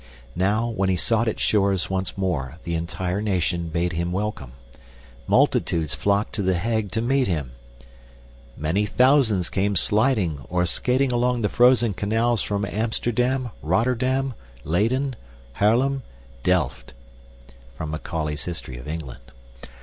Now, when he sought its shores once more, the entire nation bade him welcome. Multitudes flocked to The Hague to meet him "Many thousands came sliding or skating along the frozen canals from Amsterdam, Rotterdam, Leyden, Haarlem, Delft." *{Macaulay's History of England.